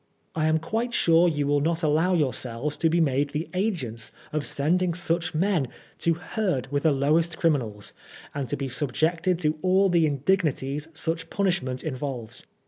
I am quite sure you will not allow yourselves to be made the agents of sending such men to herd with the lowest criminals, and to be subjected to all the indignities such punishment involves.